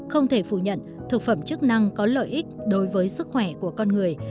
không thể phủ nhận thực phẩm chức năng có lợi ích đối với sức khỏe của con người